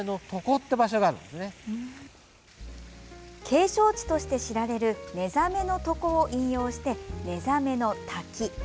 景勝地として知られる寝覚の床を引用して寝覚の滝。